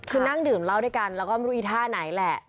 คือนั่งดื่มเหล้าด้วยกันแล้วก็ไม่รู้อีท่าไหนแหละ